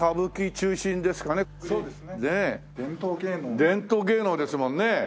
伝統芸能ですもんね。